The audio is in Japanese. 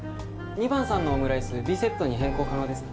２番さんのオムライスＢセットに変更可能ですか？